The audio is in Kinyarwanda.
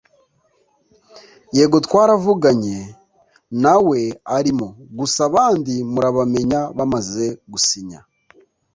Yego twaravuganye na we arimo gusa abandi murabamenya bamaze gusinya